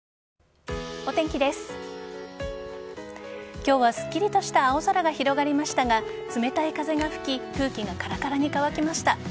今日はすっきりとした青空が広がりましたが冷たい風が吹き空気がカラカラに乾きました。